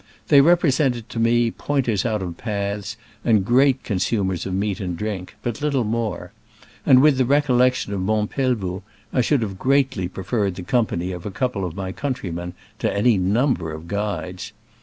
They represented to me pointers out of paths and great con sumers of meat and drink, but little more ; and, with the recollection of Mont Pelvoux, I should have greatly preferred the company of a couple of my countrymen to any number of guides.